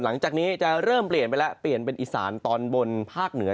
หลังจากนี้จะเริ่มเปลี่ยนไปแล้วเปลี่ยนเป็นอีสานตอนบนภาคเหนือ